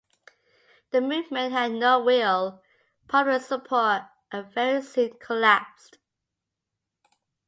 The movement had no real popular support, and very soon collapsed.